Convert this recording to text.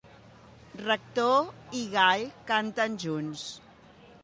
Rector i gall canten junts.